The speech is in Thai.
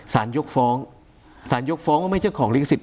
สารยกฟ้องสารยกฟ้องก็ไม่เจ้าของลิขสิทธิ์